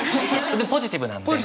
ポジティブなんで。